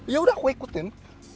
yaudah aku ikutin